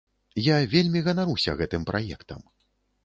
Я вельмі ганаруся гэтым праектам.